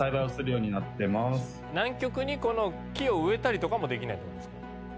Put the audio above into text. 南極にこの木を植えたりとかもできないって事ですか？